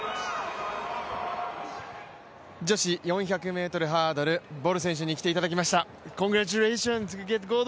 女子４００ｍハードルボル選手に来ていただきました。